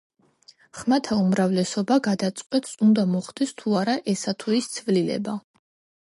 ხმათა უმრავლესობა გადაწყვეტს უნდა მოხდეს თუ არა ესა თუ ის ცვლილება.